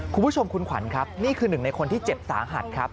คุณผู้ชมคุณขวัญครับนี่คือหนึ่งในคนที่เจ็บสาหัสครับ